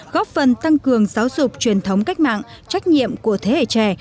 góp phần tăng cường giáo dục truyền thống cách mạng trách nhiệm của thế hệ trẻ